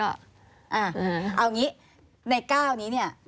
เอาอย่างนี้ในก้าวนี้เนี่ย